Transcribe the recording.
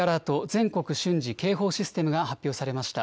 ・全国瞬時警報システムが発表されました。